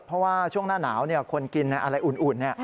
เพราะว่าช่วงหน้าหนาวคนกินอะไรอุ่น